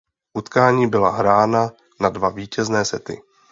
Utkání byla hrána na dva vítězné sety.